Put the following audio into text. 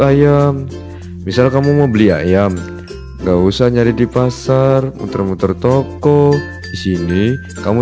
ayam misalnya kamu mau beli ayam nggak usah nyari di pasar muter muter toko di sini kamu